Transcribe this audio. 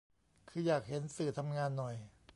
คืออยากเห็นสื่อทำงานหน่อย